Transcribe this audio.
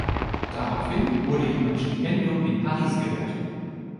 Daraufhin wurde ihm ein Stipendium in Paris gewährt.